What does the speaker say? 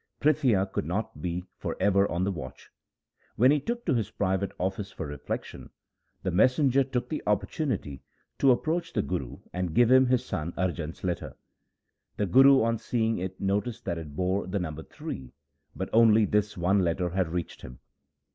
Prithia could not be for ever on the watch. When he went to his private house for reflection, the messenger took the opportunity to approach the Guru and give him his son Arjan's letter. The Guru on seeing it noticed that it bore the number 3, but only this one letter had reached him.